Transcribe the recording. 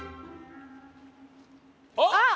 あっ！